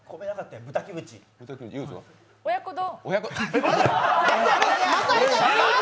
親子丼！